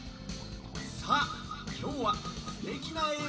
さあきょうはすてきなえい